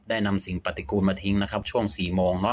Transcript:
นำสิ่งปฏิกูลมาทิ้งนะครับช่วง๔โมง